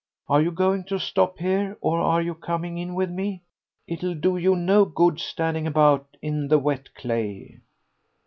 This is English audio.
Are you going to stop here, or are you coming in with me? It'll do you no good standing about in the wet clay."